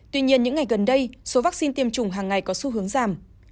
tuy nhiên những ngày gần đây số vaccine tiêm chủng hàng ngày có xu hướng giảm